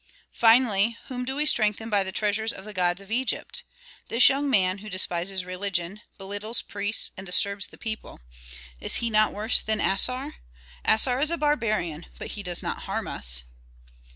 Finally, whom do we strengthen by the treasures of the gods and of Egypt? This young man who despises religion, belittles priests, and disturbs the people. Is he not worse than Assar? Assar is a barbarian, but he does not harm us."